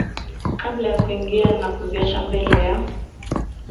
kabla ya kuingia na kuziacha mbele ya